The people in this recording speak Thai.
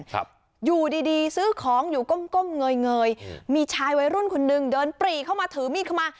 ครับอยู่ดีดีซื้อของอยู่ก้มก้มเงยเงยมีชายวัยรุ่นคนนึงเดินปรีเข้ามาถือมีดเข้ามา